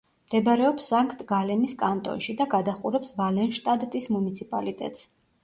მდებარეობს სანქტ-გალენის კანტონში და გადაჰყურებს ვალენშტადტის მუნიციპალიტეტს.